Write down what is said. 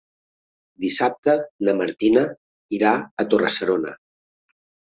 Dissabte na Martina irà a Torre-serona.